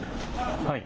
はい。